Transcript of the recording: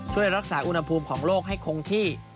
ช่วยรักษาอุณหภูมิของโลกให้คงที่